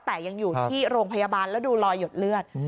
แต่ยังอยู่ที่โรงพยาบาลแล้วดูรอยหยดเลือด